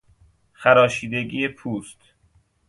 خراشیدگی پوست